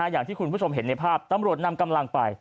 อย่างที่คุณผู้ชมเห็นในภาพตำรวจนำกำลังไป